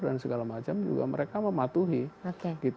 dan segala macam juga mereka mematuhi